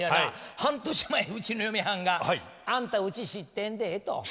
半年前うちの嫁はんが「あんたうち知ってんで」と。